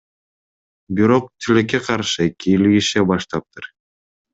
Бирок, тилекке каршы, кийлигише баштаптыр.